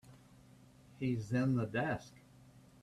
He's in the desk.